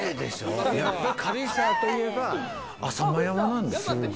軽井沢といえば浅間山なんですよ。